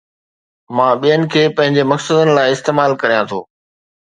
مان ٻين کي پنهنجي مقصدن لاءِ استعمال ڪريان ٿو